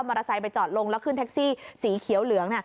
ไปจอดลงแล้วขึ้นแท็กซี่สีเขียวเหลือง